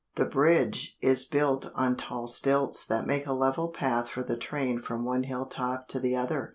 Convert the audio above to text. The bridge is built on tall stilts that make a level path for the train from one hilltop to the other.